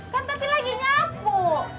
kan tadi lagi nyapu